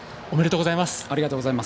ありがとうございます。